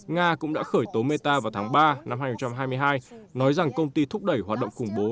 nga cũng đã khởi tố meta vào tháng ba năm hai nghìn hai mươi hai nói rằng công ty thúc đẩy hoạt động khủng bố